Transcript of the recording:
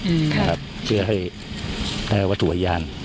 อืมครับเชื่อให้แค่วัตถุไฮยาน